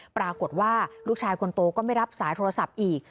ปรากฏว่าลูกชายคนโตก็ไม่รับสายโทรศัพท์อีก